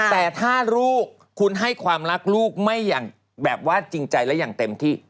แต่ถ้าลูกคุณให้ความรักลูกไม่อย่างแบบว่าจริงใจและอย่างเต็มที่